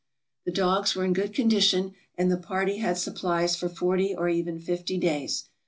The dogs were in good condition, and the party had supplies for forty or even fifty days.